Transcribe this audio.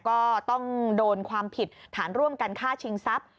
ก็ต้องโดนความผิดฐานร่วมกันฆ่าชิงทรัพย์